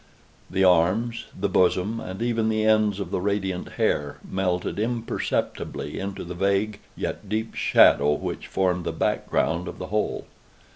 The arms, the bosom, and even the ends of the radiant hair melted imperceptibly into the vague yet deep shadow which formed the back ground of the whole.